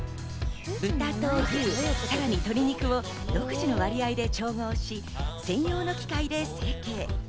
豚と牛、さらに鶏肉を独自の割合で調合し専用の機械で成形。